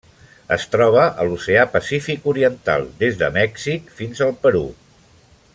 Es troba a l'Oceà Pacífic oriental: des de Mèxic fins al Perú.